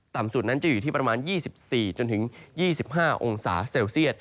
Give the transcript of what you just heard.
ต่ำสุดนั้นจะอยู่ที่ประมาณ๒๔๒๕องศาเซลเซียต